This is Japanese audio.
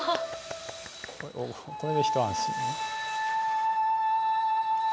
これで一安心だね。